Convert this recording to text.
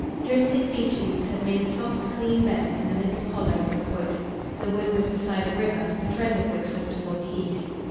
Drifted beech leaves had made a soft, clean bed in a little hollow in a wood. The wood was beside a river, the trend of which was toward the east.